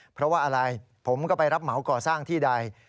เพราะว่าอะไรผมก็ไปรับเหมาก่อสร้างที่ใด